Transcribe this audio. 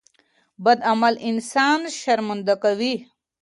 بد عمل انسان شرمنده کوي.